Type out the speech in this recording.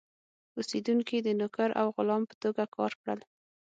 اوسېدونکي د نوکر او غلام په توګه کار کړل.